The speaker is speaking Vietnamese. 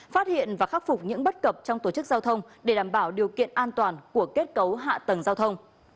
phát hiện và khắc phục những bất cập trong tổ chức giao thông để đảm bảo điều kiện an toàn của kết cấu hạ tầng giao thông